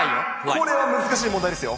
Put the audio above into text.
これは難しい問題ですよ。